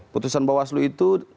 putusan bawaslu itu